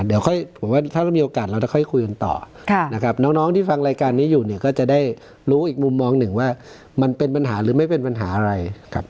เดี๋ยวค่อยผมว่าถ้าเรามีโอกาสเราจะค่อยคุยกันต่อนะครับน้องที่ฟังรายการนี้อยู่เนี่ยก็จะได้รู้อีกมุมมองหนึ่งว่ามันเป็นปัญหาหรือไม่เป็นปัญหาอะไรครับ